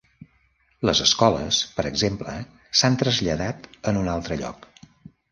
Les escoles, per exemple, s'han traslladat en un altre lloc.